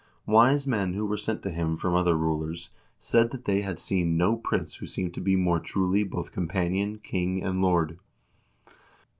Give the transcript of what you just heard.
"Wise men who were sent to him from other rulers said that they had seen no prince who seemed to be more truly both companion, king, and lord."